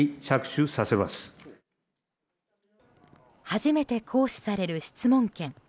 初めて行使される質問権。